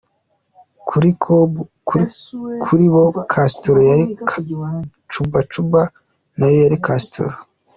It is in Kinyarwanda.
Kuri bo Castro yari Cuba, Cuba nayo yari Castro.